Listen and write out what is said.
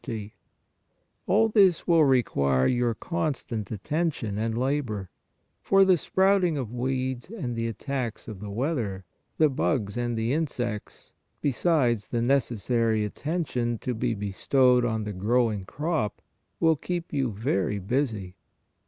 MENTAL PRAYER 155 All this will require your constant attention and labor, for the sprouting of weeds and the attacks of the weather, the bugs and insects, besides the nec essary attention to be bestowed on the growing crop, will keep you very busy.